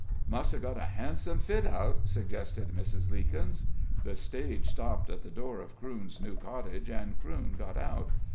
] "Must have got a handsome fit out," suggested Mrs. Leekins. The stage stopped at the door of Crewne's new cottage, and Crewne got out.